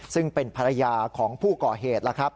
ซึ่งเป็นภรรยาของผู้ก่อเหตุ